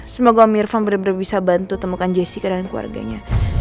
semoga mirvan bener bener bisa bantu temukan jessica dan keluarganya